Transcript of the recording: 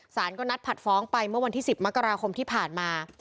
สารก็นัดผัดฟ้องไปเมื่อวันที่๑๐มกราคมที่ผ่านมา